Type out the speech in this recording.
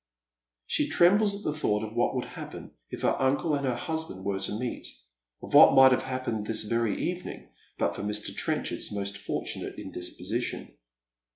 She trembles at the thought of what would happen if her nncle and her husband were to meet — of what might have hap pened thk very evening but for Mr. Trenchard's most fortunate indisposition.